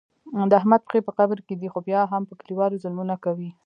د احمد پښې په قبر کې دي خو بیا هم په کلیوالو ظلمونه کوي.